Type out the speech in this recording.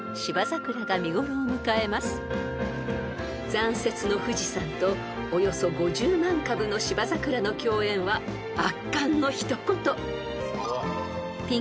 ［残雪の富士山とおよそ５０万株の芝桜の共演は圧巻の一言］